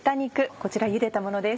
こちらゆでたものです。